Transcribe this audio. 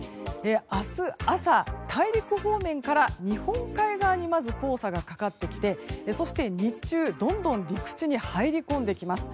明日朝、大陸方面から日本海側にまず黄砂がかかってきてそして日中どんどん陸地に入り込んできます。